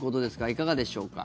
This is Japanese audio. いかがでしょうか？